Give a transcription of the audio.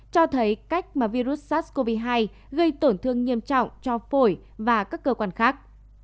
cho thấy cách mà virus sars cov hai gây tổn thương nghiêm trọng cho phổi và các cơ quan khác